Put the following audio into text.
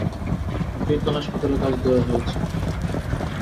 ওকেই তো হাসপাতালে কাজ দেওয়া হয়েছে?